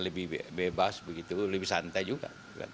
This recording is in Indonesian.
lebih bebas begitu lebih santai juga